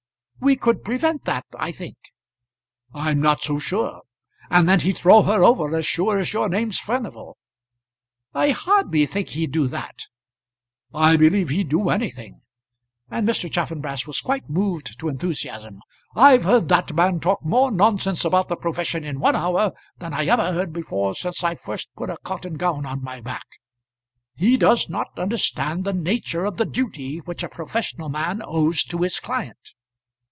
"We could prevent that, I think." "I'm not so sure. And then he'd throw her over as sure as your name's Furnival." "I hardly think he'd do that." "I believe he'd do anything." And Mr. Chaffanbrass was quite moved to enthusiasm. "I've heard that man talk more nonsense about the profession in one hour, than I ever heard before since I first put a cotton gown on my back. He does not understand the nature of the duty which a professional man owes to his client."